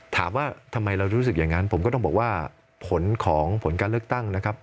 ถามว่าทำไมเรารู้สึกอย่างงั้นผมก็ต้องบอกว่า